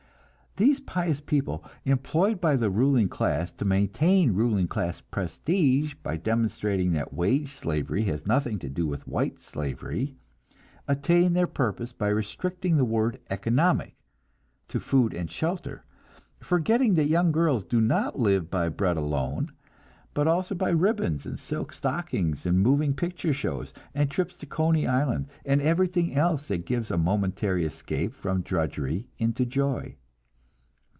These pious people, employed by the ruling class to maintain ruling class prestige by demonstrating that wage slavery has nothing to do with white slavery, attain their purpose by restricting the word "economic" to food and shelter; forgetting that young girls do not live by bread alone, but also by ribbons, and silk stockings, and moving picture shows, and trips to Coney Island, and everything else that gives a momentary escape from drudgery into joy.